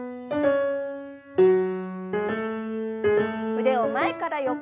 腕を前から横へ。